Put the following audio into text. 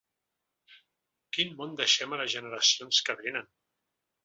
Quin món deixem a les generacions que vénen?